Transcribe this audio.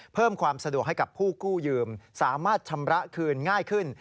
เพิ่มความสะดวกให้กับผู้กู้ยืมสามารถชำระคืนง่ายขึ้น